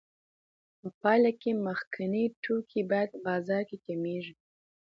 په پایله کې مخکیني توکي بیا په بازار کې کمېږي